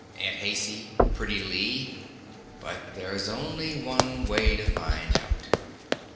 Aunt Haicey, Pretty Lee ... But there's only one way to find out."